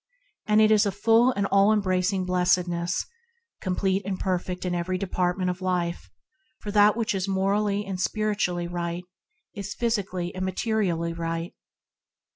It is a full and all embracing blessed ness, complete and perfect in every depart ment of life; for what is morally and spiritually right is physically and materially right.